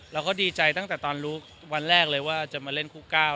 เราก็ดีใจตั้งแต่ตอนรู้วันแรกเลยว่าจะมาเล่นคู่ก้าว